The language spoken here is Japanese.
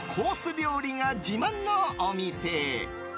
料理が自慢のお店。